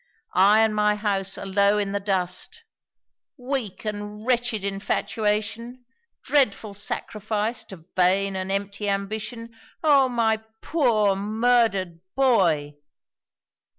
I and my house are low in the dust! Weak and wretched infatuation! Dreadful sacrifice to vain and empty ambition; Oh! my poor murdered boy!'